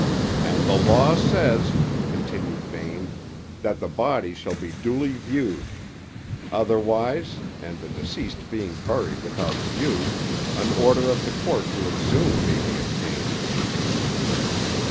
"And the law says," continued Bain, "that the body shall be duly viewed. Otherwise, and the deceased being buried without view, an order of the court to exhume may be obtained."